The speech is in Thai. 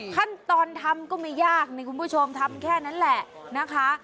ขั้นตอนทำก็ไม่ยากนี่คุณผู้ชมทำแค่นั้นแหละนะคะ